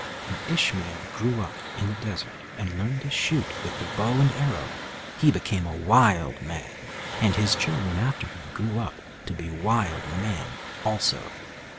And Ishmael grew up in the desert and learned to shoot with the bow and arrow. He became a wild man, and his children after him grew up to be wild men also.